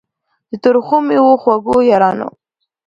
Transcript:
د ترخو میو خوږو یارانو